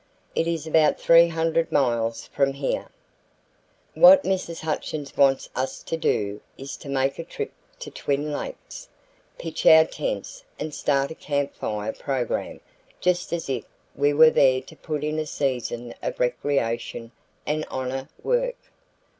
It is about three hundred miles from here. "What Mrs. Hutchins wants us to do is to make a trip to Twin Lakes, pitch our tents and start a Camp Fire program just as if we were there to put in a season of recreation and honor work.